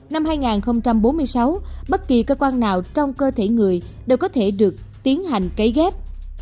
năm hai nghìn bốn mươi sáu bất kỳ cơ quan nào trong cơ thể người đều có thể được tiến hành cấy ghép